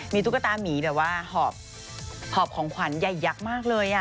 มีตุ๊กตามีแบบว่าหอบของขวัญใหญ่ยักษ์มากเลย